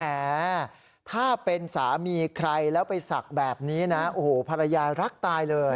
แหมถ้าเป็นสามีใครแล้วไปศักดิ์แบบนี้นะโอ้โหภรรยารักตายเลย